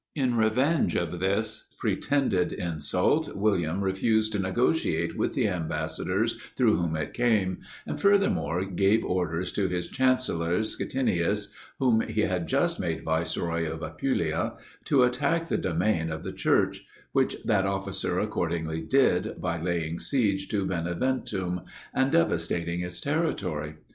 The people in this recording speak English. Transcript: In revenge of this pretended insult, William refused to negotiate with the ambassadors through whom it came; and, furthermore, gave orders to his chancellor Scitinius, whom he had just made viceroy of Apulia, to attack the domain of the Church, which that officer accordingly did, by laying siege to Beneventum, and devastating its territory.